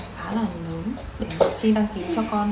rất là lớn để khi đăng ký cho con